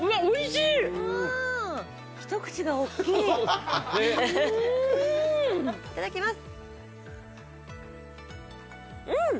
いただきます。